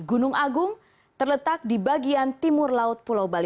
gunung agung terletak di bagian timur laut pulau bali